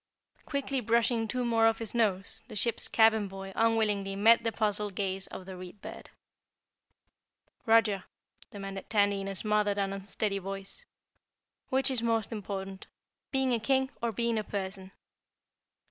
Quickly brushing two more off his nose, the ship's cabin boy unwillingly met the puzzled gaze of the Read Bird. "Roger," demanded Tandy in a smothered and unsteady voice, "which is most important, being a King or being a person?"